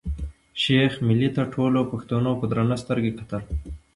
شېخ ملي ته ټولو پښتنو په درنه سترګه کتل.